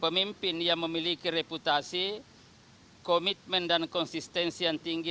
pemimpin yang memiliki reputasi komitmen dan konsistensi yang tinggi